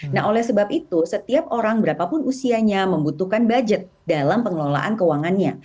nah oleh sebab itu setiap orang berapapun usianya membutuhkan budget dalam pengelolaan keuangannya